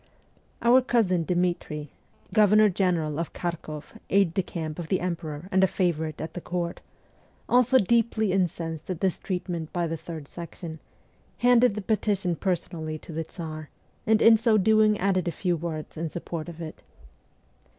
Our cousin Dmitri, Governor general of Kharkoff, aide de camp of the Emperor and a favourite at the court, also deeply incensed at this treatment by the Third Section, handed the petition personally to the Tsar, and in so doing added a few words in support of it.